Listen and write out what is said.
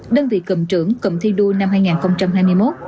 đơn vị cầm trưởng cầm thi đua năm hai nghìn hai mươi một